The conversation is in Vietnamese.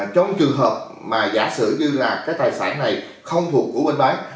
trong trường hợp mà giả sử như là cái tài sản này không thuộc của bên bán